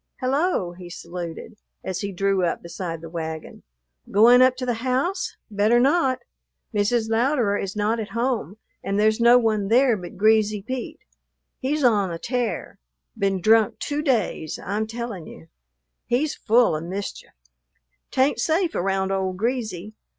"Hello!" he saluted, as he drew up beside the wagon. "Goin' up to the house? Better not. Mrs. Louderer is not at home, and there's no one there but Greasy Pete. He's on a tear; been drunk two days, I'm tellin' you. He's full of mischief. 'T ain't safe around old Greasy.